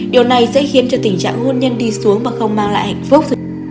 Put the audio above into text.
điều này sẽ khiến cho tình trạng hôn nhân đi xuống và không mang lại hạnh phúc